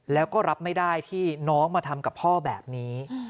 แล้วก็รับไม่ได้ที่น้องมาทำกับพ่อแบบนี้